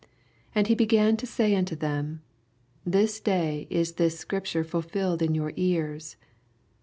21 And he began to say unto them, This day is this Soripture folfUled in your ears.